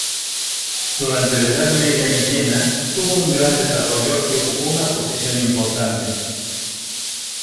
Durante la Edad Media Villena tuvo un gran desarrollo y ocupó una posición importante.